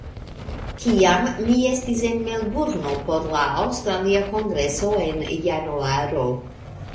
Kiam mi estis en Melburno por la aŭstralia kongreso en Januaro